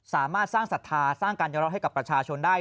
สามารถสร้างศรัทธาสร้างการยอมรับให้กับประชาชนได้